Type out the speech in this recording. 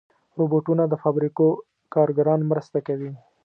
روبوټونه د فابریکو کارګران مرسته کوي.